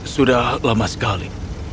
sudah lama sekali